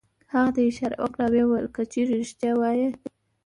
هغه ته یې اشاره وکړه او ویې ویل: که چېرې رېښتیا وایې.